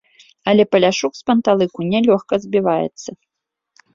Але паляшук з панталыку не лёгка збіваецца.